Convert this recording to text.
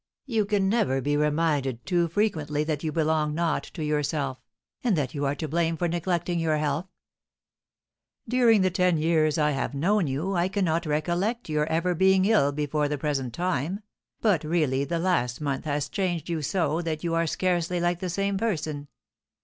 You can never be reminded too frequently that you belong not to yourself, and that you are to blame for neglecting your health. During the ten years I have known you I cannot recollect your ever being ill before the present time, but really the last month has so changed you that you are scarcely like the same person.